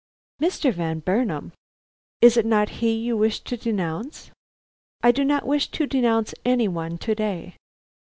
"Mr. Van Burnam?" "Is it not he you wish to denounce?" "I do not wish to denounce any one to day."